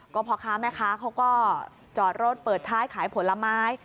ก็พ่อค้าแม่ค้าเขาก็จอดรถเปิดท้ายขายผลไม้